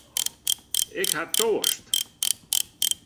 Ik ha toarst.